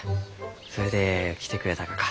それで来てくれたがか。